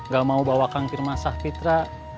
gak mau bawa kang firman sahpitra